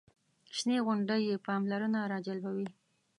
شنې غونډۍ یې پاملرنه راجلبوي.